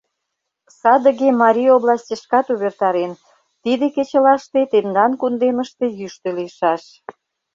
Садыге Марий областьышкат увертарен: «Тиде кечылаште тендан кундемыште йӱштӧ лийшаш.